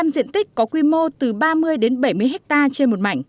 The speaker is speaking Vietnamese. một diện tích có quy mô từ ba mươi đến ba mươi hectare